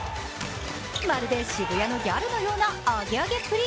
まるで渋谷のギャルのようなアゲアゲっぷり。